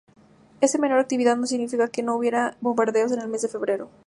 Esta menor actividad no significa que no hubiera bombardeos en el mes de febrero.